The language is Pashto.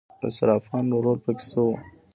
د صرافانو رول پکې څه و؟